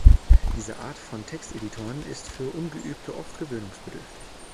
Diese Art von Texteditoren ist für Ungeübte oft gewöhnungsbedürftig.